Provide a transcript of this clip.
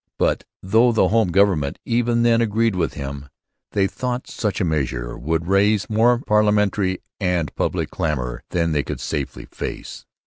But, though the home government even then agreed with him, they thought such a measure would raise more parliamentary and public clamour than they could safely face.